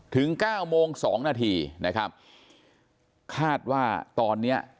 ถึง๙โมง๒นาทีนะครับคาดว่าตอนนี้